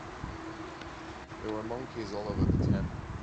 There were monkeys all over the temple.